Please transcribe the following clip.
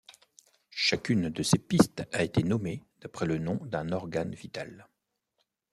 Chacune de ces pistes a été nommée d'après le nom d'un organe vital.